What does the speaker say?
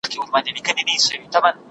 دلته هرڅه سودا کیږي څه بازار ته یم راغلی